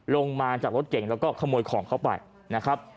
ลงมาจากรถเก่งแล้วก็ขโมยของเขาไปนะครับ